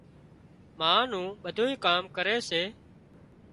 ما نُون ٻڌُونئي ڪام ڪري سي